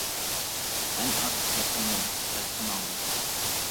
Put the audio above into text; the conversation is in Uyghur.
مەن ئارتۇق گەپ قىلماي سىرتقا ماڭدىم.